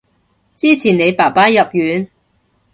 之前你爸爸入院